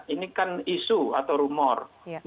ini kan isu atau rumor